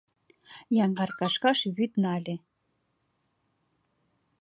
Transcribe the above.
Яҥгар кашкаш вӱд нале.